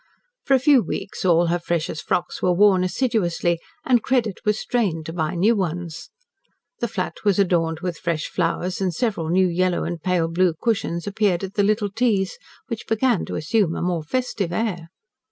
For a few weeks all her freshest frocks were worn assiduously and credit was strained to buy new ones. The flat was adorned with fresh flowers and several new yellow and pale blue cushions appeared at the little teas, which began to assume a more festive air.